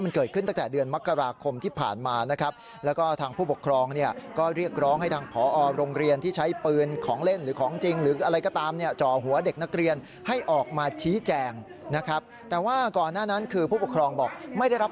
มันเกิดขึ้นตั้งแต่เดือนมกราคมที่ผ่านมา